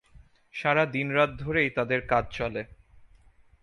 সারা দিন-রাত ধরেই তাদের কাজ চলে।